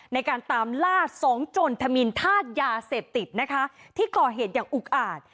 ในการตามล่าสองจนธมินธาตุยาเสพติดนะคะที่ก่อเหตุอย่างอุกอาจ